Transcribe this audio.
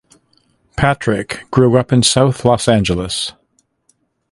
Patrick grew up in South Los Angeles.